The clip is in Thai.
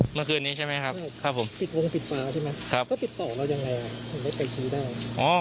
เมื่อคืนนี้ใช่ไหมครับครับผม